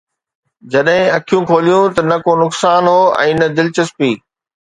جڏهن اکيون کوليون ته نه ڪو نقصان هو ۽ نه دلچسپي